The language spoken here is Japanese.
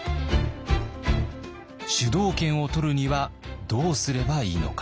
主導権を取るにはどうすればいいのか。